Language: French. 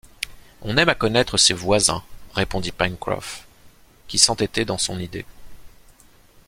On aime à connaître ses voisins, répondit Pencroff, qui s’entêtait dans son idée.